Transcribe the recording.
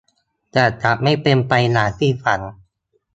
แต่กลับไม่เป็นไปอย่างที่ฝัน